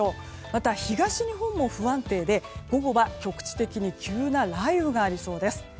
また、東日本も不安定で午後は局地的に急な雷雨がありそうです。